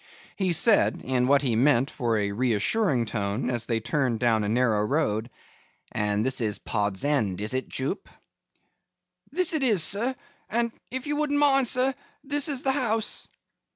He said, in what he meant for a reassuring tone, as they turned down a narrow road, 'And this is Pod's End; is it, Jupe?' 'This is it, sir, and—if you wouldn't mind, sir—this is the house.